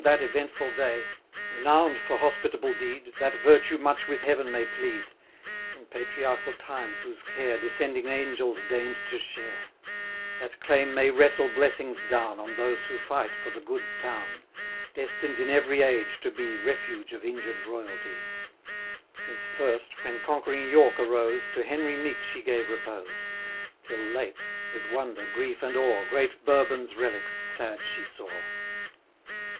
that eventful day, Renown'd for hospitable deed, That virtue much with Heaven may plead, 110 In patriarchal times whose care Descending angels deign'd to share; That claim may wrestle blessings down On those who fight for The Good Town, Destined in every age to be 115 Refuge of injured royalty; Since first, when conquering York arose, To Henry meek she gave repose, Till late, with wonder, grief, and awe, Great Bourbon's relics, sad she saw.